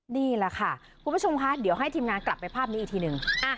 นี่แหละค่ะคุณผู้ชมคะเดี๋ยวให้ทีมงานกลับไปภาพนี้อีกทีหนึ่ง